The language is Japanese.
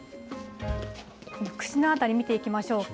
この口の辺り見ていきましょうか。